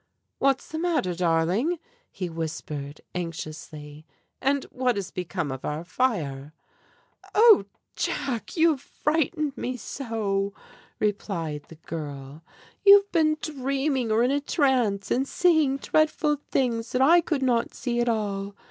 "What's the matter, darling?" he whispered, anxiously. "And what has become of our fire?" "Oh, Jack, you have frightened me so!" replied the girl. "You have been dreaming or in a trance, and seeing dreadful things that I could not see at all!